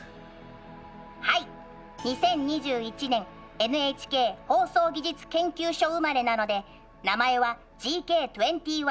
はい２０２１年ＮＨＫ放送技術研究所生まれなので名前はＧＫ２１。